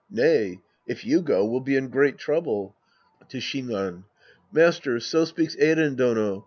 Nay. If you go, we'll be in great trouble. {To Shinran.) Master, so speaks Eiren Dono.